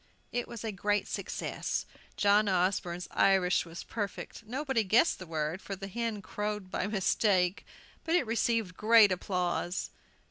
It was a great success. John Osborne's Irish was perfect. Nobody guessed the word, for the hen crowed by mistake; but it received great applause.